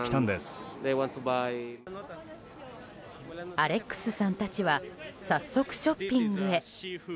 アレックスさんたちは早速、ショッピングへ。